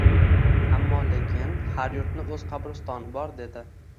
— Ammo-lekin har yurtni o‘z qabristoni bor, — dedi.